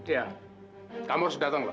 iya kamu harus datang loh